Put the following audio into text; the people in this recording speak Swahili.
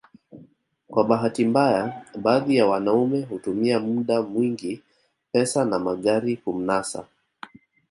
Kwa bahati mbaya baadhi ya wanaume hutumia muda mwingi pesa na magari kumnasa